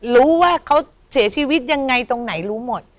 รู้ว่าเขาเสียชีวิตยังไงตรงไหนรู้หมด